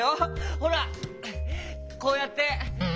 ほらこうやって！